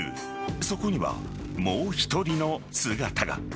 そこには、もう１人の姿が。